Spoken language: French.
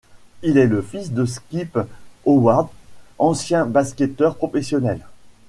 Il est le fils de Skip Howard, ancien basketteur professionnel.